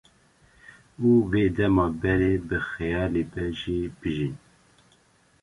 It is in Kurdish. û wê dema berê bi xeyalî be jî bijîn